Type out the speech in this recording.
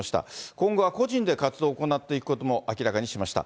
今後は個人で活動を行っていくことも明らかにしました。